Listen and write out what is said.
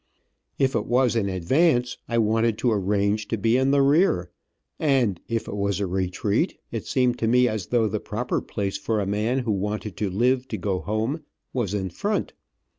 If it was an advance, I wanted to arrange to be in the rear, and if it was a retreat, it seemed to me as as though the proper place for a man who wanted to live to go home, was in front.